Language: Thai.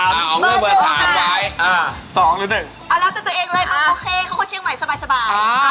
อ้าวเอาเลือกเบอร์๓ได้๒หรือ๑เอาตัวตัวเองเลยหมดโอเคเขาโคตรเชียงใหม่สบาย